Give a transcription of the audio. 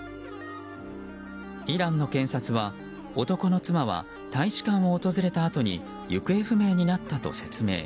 イランの検察は、男の妻は大使館を訪れたあとに行方不明になったと説明。